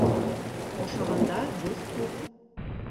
Ашағанда дуҫ күп